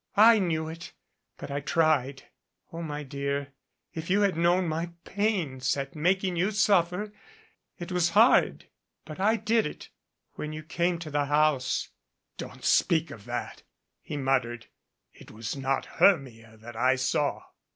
"I knew it, but I tried. O my dear, if you had known my pains at making you suffer! It was hard. But I clid it. When you came to the house " "Don't speak of that," he muttered. "It was not Hennia that I saw."